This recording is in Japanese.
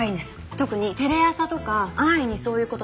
特にテレ朝とか安易にそういう事するんです。